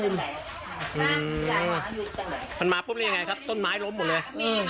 อืมมันมาพรุ่งนี้อย่างไรครับต้นไม้ล้มหมดเลย